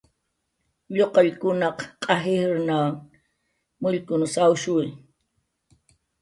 Lluqallkunaq q'aj ijran mullkunw sawshuwi